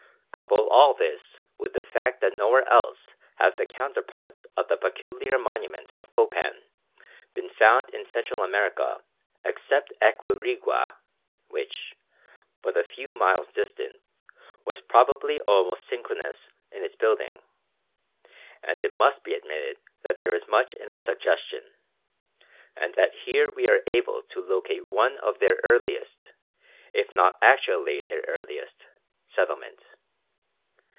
Couple all this with the fact that nowhere else have the counterparts of the peculiar monuments of Copan been found in Central America except at Quirigua, which, but a few miles distant, was probably almost synchronous in its building, and it must be admitted that there is much in our suggestion; and that here we are able to locate one of their earliest, if not actually their earliest, settlement.